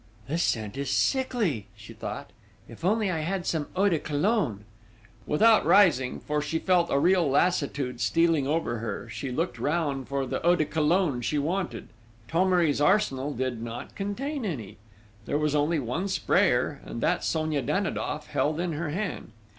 "This scent is sickly," she thought. "If only I had some eau de Cologne!" Without rising, for she felt a real lassitude stealing over her, she looked round for the eau de Cologne she wanted: Thomery's arsenal did not contain any. There was only one sprayer and that Sonia Danidoff held in her hand.